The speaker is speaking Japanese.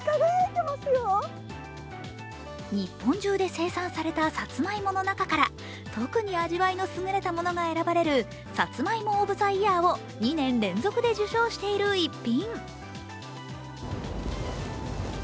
日本中で生産されたさつまいもの中から、特に味わいのすぐれたものが選ばれるさつまいも・オブ・ザ・イヤーを２年連続で受賞している逸品。